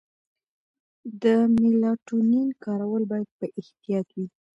د میلاټونین کارول باید په احتیاط وي.